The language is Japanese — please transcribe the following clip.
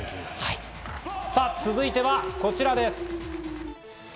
続いてはこちらです。